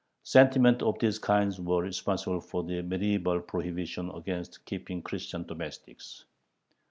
Sentiments of this kind were responsible for the medieval prohibition against keeping Christian domestics.